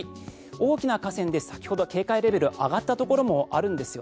大きな河川で先ほど警戒レベルが上がったところもあります。